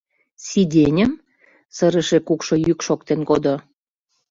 — Сиденьым? — сырыше кукшо йӱк шоктен кодо.